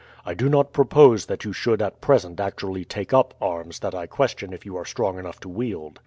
I do not propose that you should at present actually take up arms that I question if you are strong enough to wield.